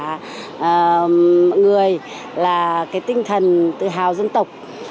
và tất cả mọi người là tinh thần tự hào dân tộc